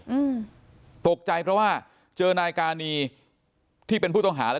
อืมตกใจเพราะว่าเจอนายกานีที่เป็นผู้ต้องหาแล้ว